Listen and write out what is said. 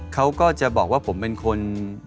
เขาก็จะบอกว่าผมเป็นคน